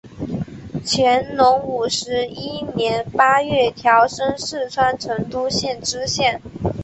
乾隆五十一年八月调升四川成都县知县。